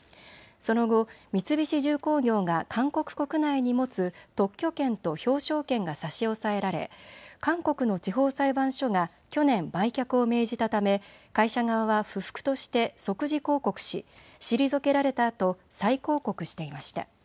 その後、三菱重工業が韓国国内に持つ特許権と商標権が差し押さえられ韓国の地方裁判所が去年、売却を命じたため会社側は不服として即時抗告し、退けられたあと再抗告していました。